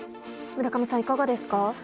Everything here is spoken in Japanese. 村上さん、いかがですか？